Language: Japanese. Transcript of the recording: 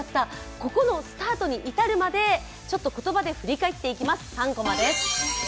ここのスタートに至るまで、言葉で振り返っていきます、３コマです。